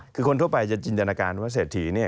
คือคนทั่วไปจะจินตนาการว่าเศรษฐีเนี่ย